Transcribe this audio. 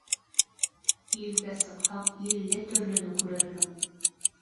Илгә сыҡһаң, илле төрлөнө күрерһең.